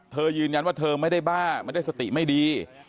ยืนยันว่าเธอไม่ได้บ้าไม่ได้สติไม่ดี